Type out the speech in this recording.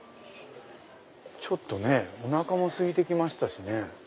ちょっとおなかもすいて来ましたしね。